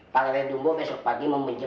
pak lelah dumbok besok pagi memunculkan